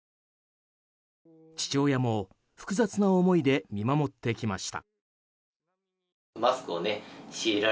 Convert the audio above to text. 父親も複雑な思いで見守ってきました。